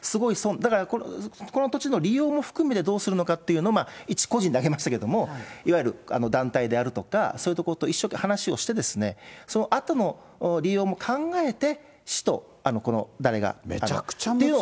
だからその土地の利用も含めてどうするのかというのを、一個人で挙げましたけど、いわゆる団体であるとか、そういうところと一緒に話をして、そのあとの利用も考えて、市と、誰がというのを。